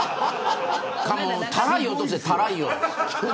たらい落とせ、たらいを。